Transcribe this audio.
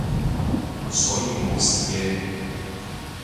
所以冇事嘅